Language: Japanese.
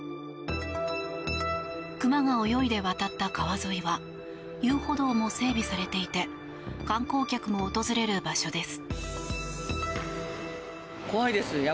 クマが泳いで渡った川沿いは遊歩道も整備されていて観光客も訪れる場所です。